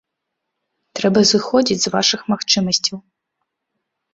Трэба зыходзіць з вашых магчымасцяў.